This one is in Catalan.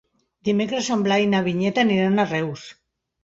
Dimecres en Blai i na Vinyet aniran a Reus.